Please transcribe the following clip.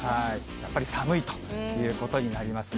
やっぱり寒いということになりますね。